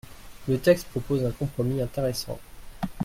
Le texte propose un compromis intéressant.